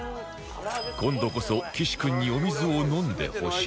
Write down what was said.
今度こそ岸君にお水を飲んでほしい